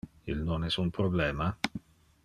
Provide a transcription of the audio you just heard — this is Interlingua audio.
Il non es un problema.